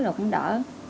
rồi cũng đỡ